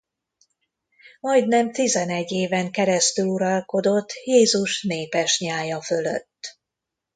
Majdnem tizenegy éven keresztül uralkodott Jézus népes nyája fölött.